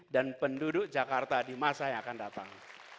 penduduk jakarta di masa yang akan datang